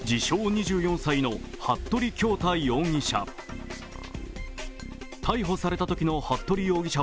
２４歳の服部恭太容疑者。